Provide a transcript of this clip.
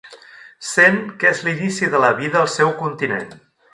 Sent que és l'inici de la vida al seu continent.